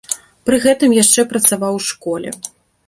Пры гэтым яшчэ працаваў у школе.